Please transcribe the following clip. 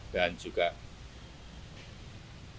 dan juga kemampuan